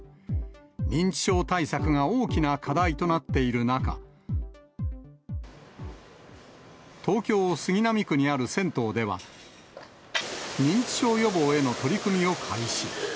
認知症対策が大きな課題となっている中、東京・杉並区にある銭湯では、認知症予防への取り組みを開始。